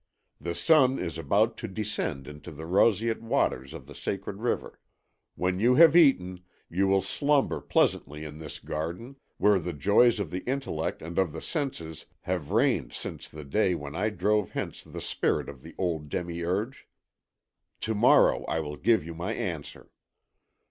The sun is about to descend into the roseate waters of the Sacred River. When you have eaten, you will slumber pleasantly in this garden, where the joys of the intellect and of the senses have reigned since the day when I drove hence the spirit of the old Demiurge. To morrow I will give you my answer."